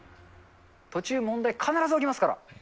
途中、問題、必ず起きますから。